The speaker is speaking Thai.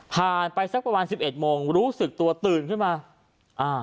ผ่านไปสักประมาณ๑๑โมงรู้สึกตัวตื่นขึ้นมา